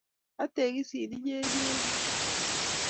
Ategisin inye inyegei